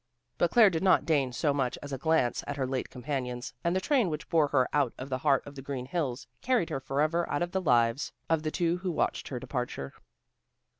But Claire did not deign so much as a glance at her late companions, and the train which bore her out of the heart of the green hills, carried her forever out of the lives of the two who watched her departure.